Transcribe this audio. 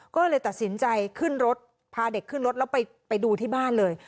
ก็เลยตัดสินใจขึ้นรถพาเด็กขึ้นรถแล้วไปดูที่บ้านเลย